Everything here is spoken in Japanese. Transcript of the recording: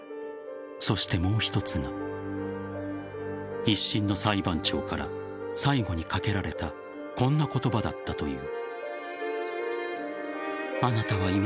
そしてもう一つが１審の裁判長から最後にかけられたこんな言葉だったという。